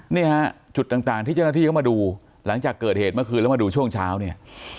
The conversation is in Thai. นี่ฮะจุดต่างที่เจ้าหน้าที่เข้ามาดูหลังจากเกิดเหตุเมื่อคืนแล้วมาดูช่วงเช้าเนี่ย